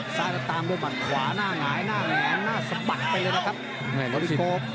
ซ้ายจะตามด้วยหมัดขวาหน้าหงายหน้าแหงหน้าสะปัดไปเลยนะครับ